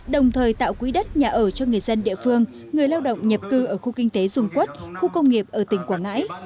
đồng thời tạo quỹ đất nhà ở cho người dân địa phương người lao động nhập cư ở khu kinh tế dung quốc khu công nghiệp ở tỉnh quảng ngãi